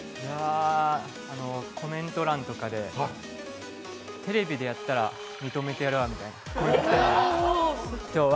コメント欄とかで「テレビでやったら認めてやるわ」みたいなことを書かれていて。